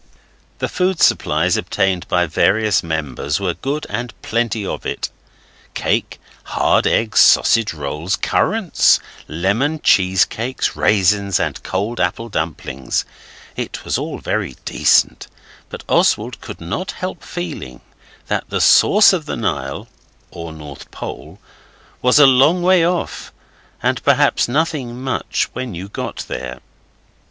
The food supplies obtained by various members were good and plenty of it. Cake, hard eggs, sausage rolls, currants, lemon cheese cakes, raisins, and cold apple dumplings. It was all very decent, but Oswald could not help feeling that the source of the Nile (or North Pole) was a long way off, and perhaps nothing much when you got there.